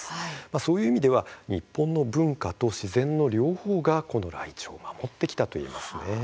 そういう意味では日本の文化と自然の両方がこのライチョウを守ってきたとも言えます。